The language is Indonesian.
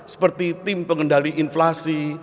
seperti tim pengendali inflasi